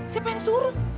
siapa yang suruh